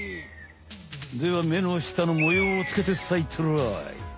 では目の下の模様をつけてさいトライ。